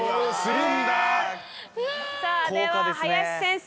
さぁでは林先生！